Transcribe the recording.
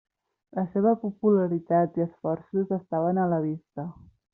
La seva popularitat i esforços estaven a la vista.